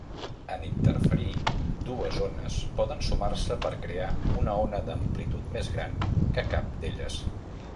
En interferir, dues ones poden sumar-se per crear una ona d'amplitud més gran que cap d'elles.